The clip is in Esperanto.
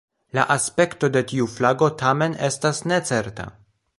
La aspekto de tiu flago tamen estas necerta.